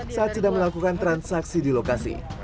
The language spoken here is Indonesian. saat sudah melakukan transaksi di lokasi